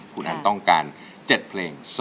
คุณอันต้องการ๗เพลง๒